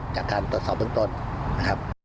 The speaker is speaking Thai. จากการตรวจสอบต้น